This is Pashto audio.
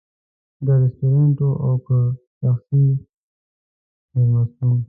دا رستورانت و او که شخصي مېلمستون.